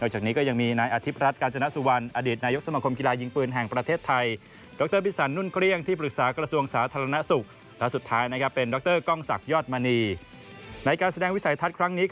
นอกจากนี้ก็ยังมีนายอธิบรัฐกาญจนสุวรรณ